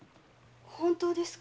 本当ですか？